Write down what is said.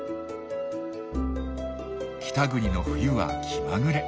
北国の冬は気まぐれ。